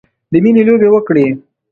د میینې لوبې وکړې